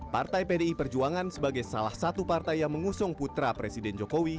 partai pdi perjuangan sebagai salah satu partai yang mengusung putra presiden jokowi